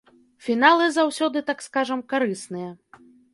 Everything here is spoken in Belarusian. Фіналы заўсёды, так скажам, карысныя.